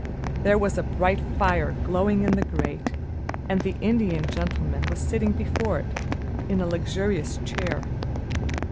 There was a bright fire glowing in the grate, and the Indian Gentleman was sitting before it, in a luxurious chair.